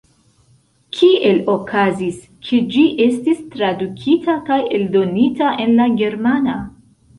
Kiel okazis, ke ĝi estis tradukita kaj eldonita en la germana?